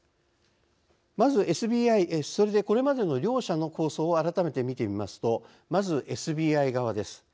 それで、ここまで両者の構想を改めて見てみますとまず、ＳＢＩ側です。